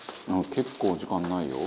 「結構時間ないよ」